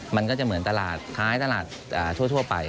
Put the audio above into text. มันก็จะเหมือนตลาดคล้ายตลาดทั่วไป